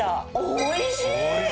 おいしい。